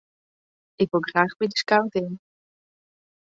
Ik wol graach by de skouting.